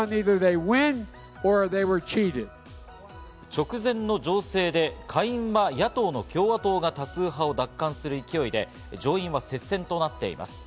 直前の情勢で下院は野党の共和党が多数派を奪還する勢いで上院は接戦となっています。